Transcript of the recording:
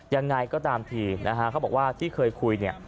ยังไงก็ตามทีนะฮะเขาบอกว่าที่เคยคุยเนี่ย